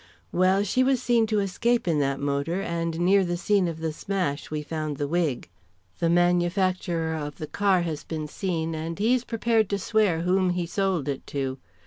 Well, she was seen to escape in that motor, and near the scene of the smash we found the wig. The manufacturer of the car has been seen and he is prepared to swear whom he sold it to.